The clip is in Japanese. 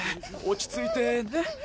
落ち着いてねっ！